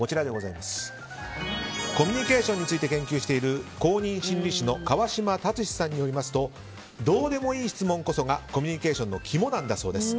コミュニケーションについて研究している公認心理師の川島達史さんによりますとどうでもいい質問こそがコミュニケーションのキモなんだそうです。